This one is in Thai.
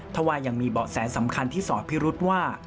ถ้าว่ายังมีเบาะแสสำคัญที่สอดพิรุษว่า